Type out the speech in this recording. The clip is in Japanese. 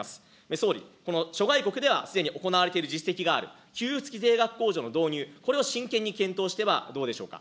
総理、この諸外国ではすでに行われている実績がある、給付付き税額控除の導入、これを真剣に検討してはどうでしょうか。